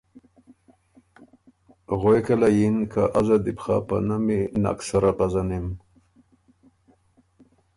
غوېکه له یِن که ”ازه دی بو خه په نمی نک سره پزنِم